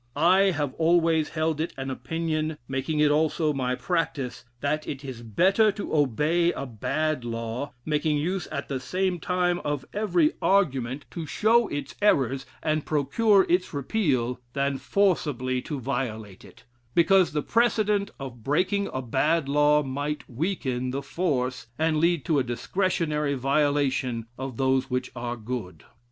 I have always held it an opinion (making it also my practice) that it is better to obey a bad law, making use at the same time of every argument to show its errors and procure its repeal, than forcibly to violate it; because the precedent of breaking a bad law might weaken the force, and lead to a discretionary violation, of those which are good."